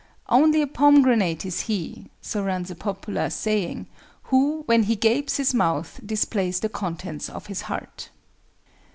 "Only a pomegranate is he"—so runs a popular saying—"who, when he gapes his mouth, displays the contents of his heart."